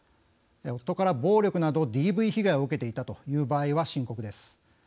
夫から暴力などＤＶ被害を受けていたという場合は深刻です。